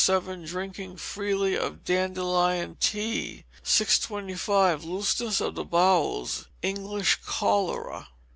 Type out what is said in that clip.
7, drinking freely of dandelion tea. 625. Looseness of the Bowels (English Cholera).